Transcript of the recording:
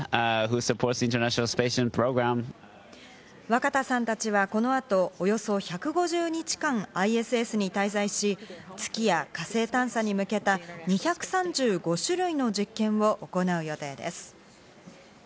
若田さんたちはこの後、およそ１５０日間、ＩＳＳに滞在し、月や火星探査に向けた２３５種類の実験を行う予定です。